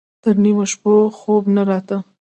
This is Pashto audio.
تر نيمو شپو خوب نه راته.